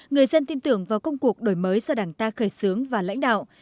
người dân tin tưởng vào công cuộc đổi mới do đảng ta khởi xướng và lãnh đạo